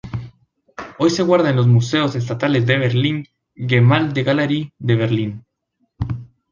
Hoy se guarda en los Museos Estatales de Berlín, Gemäldegalerie de Berlín.